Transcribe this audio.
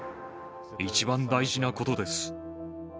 一番大事なことです。